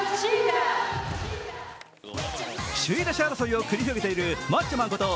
首位打者争いを繰り広げているマッチョマンこと